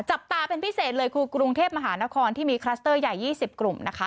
จับตาเป็นพิเศษเลยคือกรุงเทพมหานครที่มีคลัสเตอร์ใหญ่๒๐กลุ่มนะคะ